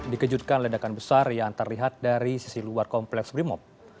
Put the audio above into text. dikejutkan ledakan besar yang terlihat dari sisi luar kompleks brimob